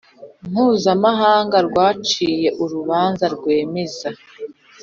mpuzamahanga (cpi/icc) rwaciye urubanza rwemeza